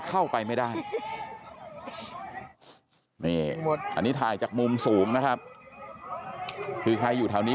เข้าไปไม่ได้นี่อันนี้ถ่ายจากมุมสูงนะครับคือใครอยู่แถวนี้